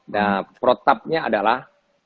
nah protapnya adalah